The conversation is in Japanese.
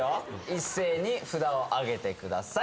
一斉に札をあげてください